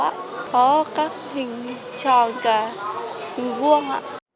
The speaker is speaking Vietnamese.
có các hình tròn và hình vuông